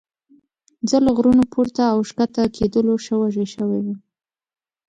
زه له غرونو پورته او ښکته کېدلو ښه وږی شوی وم.